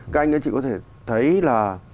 các anh chị có thể thấy là